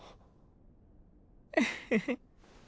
フフフッ。